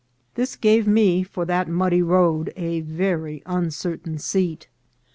This gave me, for that muddy road, a very uncertain seat.